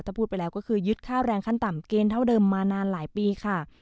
ถ้าพูดไปแล้วก็คือยึดค่าแรงขั้นต่ำเกณฑ์เท่าเดิมมานานหลายปีค่ะ